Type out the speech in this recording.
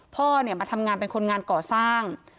พ่อเนี่ยมาทำงานเป็นคนงานก่อสร้าง